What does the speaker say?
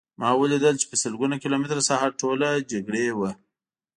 ما ولیدل چې په سلګونه کیلومتره ساحه ټوله جګړې وه